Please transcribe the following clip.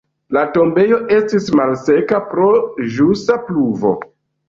La tombejo estis malseka pro ĵusa pluvo.